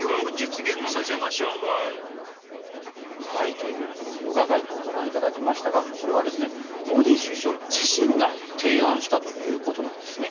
という、このヨガ外交ご覧いただきましたがこれはモディ首相自身が提案したということなんですね。